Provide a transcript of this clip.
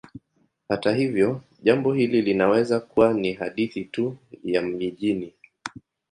Hata hivyo, jambo hili linaweza kuwa ni hadithi tu ya mijini.